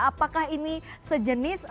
apakah ini sejenis